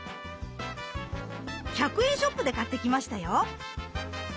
１００円ショップで買ってきましたよ。